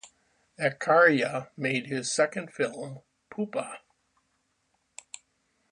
Acharya made his second film Pupa.